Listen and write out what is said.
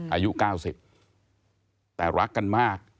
อายุ๙๐แต่รักกันมาก